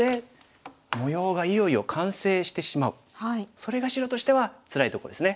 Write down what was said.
それが白としてはつらいとこですね。